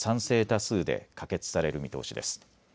多数で可決される見通しです。